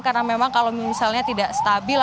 karena memang kalau misalnya tidak stabil